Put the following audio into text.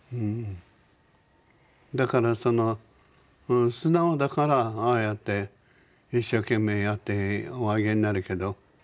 だからその素直だからああやって一生懸命やっておあげになるけど。